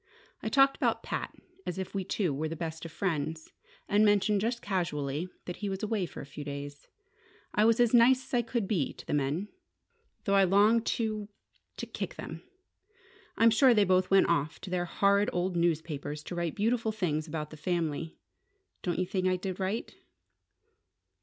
I talked about Pat as if we two were the best of friends, and mentioned just casually that he was away for a few days. I was as nice as I could be to the men, though I longed to to kick them! I'm sure they both went off to their horrid old newspapers to write beautiful things about the family. Don't you think I did right?"